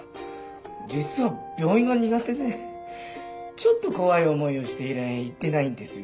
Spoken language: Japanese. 実は病院が苦手でちょっと怖い思いをして以来行ってないんですよ。